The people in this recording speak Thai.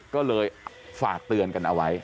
ก็เลยฝากเตือนกันเอาไว้